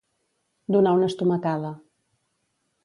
Donar una estomacada.